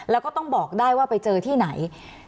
แล้วก็ต้องบอกได้ว่าไปเจอที่ไหน